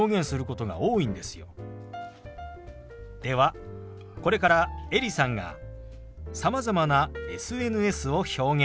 ではこれからエリさんがさまざまなＳＮＳを表現します。